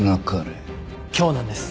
今日なんです。